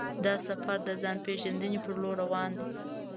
دا سفر د ځان پېژندنې پر لور روان دی.